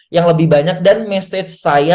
yang lebih banyak dan message saya